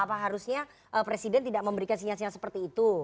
apa harusnya presiden tidak memberikan sinyal sinyal seperti itu